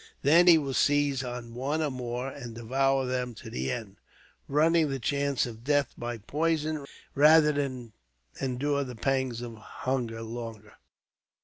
Then he will seize on one or more, and devour them to the end, running the chance of death by poison, rather than endure the pangs of hunger longer."